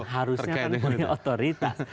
harusnya kan punya otoritas